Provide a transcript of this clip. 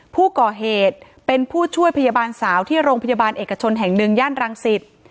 ผู้ก่อเหตุเป็นผู้ช่วยพยาบาลสาวที่โรงพยาบาลเอกชนแห่งหนึ่งย่านรังสิต